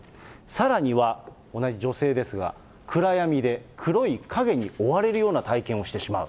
さらには、同じ女性ですが、暗闇で黒い影に追われるような体験をしてしまう。